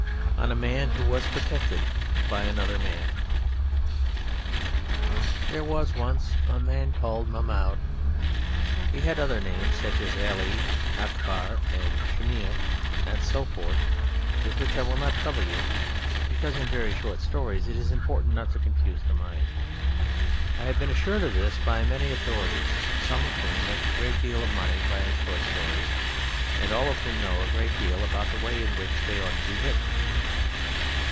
ON A MAN WHO WAS PROTECTED BY ANOTHER MAN There was once a man called Mahmoud. He had other names, such as Ali, Akbar, and Shmaeil, and so forth, with which I will not trouble you, because in very short stories it is important not to confuse the mind. I have been assured of this by many authorities, some of whom make a great deal of money by short stories, and all of whom know a great deal about the way in which they ought to be written.